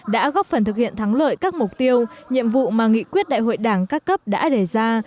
đã góp phần thực hiện thắng lợi các mục tiêu nhiệm vụ mà nghị quyết đại hội đảng các cấp đã đề ra